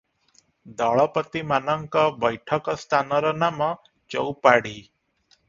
ଦଳପତିମାନଙ୍କ ବୈଠକ ସ୍ଥାନର ନାମ ଚୌପାଢ଼ୀ ।